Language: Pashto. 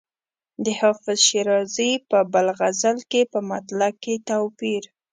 د حافظ شیرازي په بل غزل کې په مطلع کې توپیر.